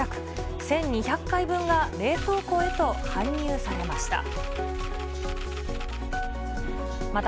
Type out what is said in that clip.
１２００回分が冷凍庫へと搬入されました。